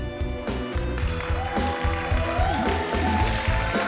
ya kepada para peserta